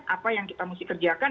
apa yang kita harus dikerjakan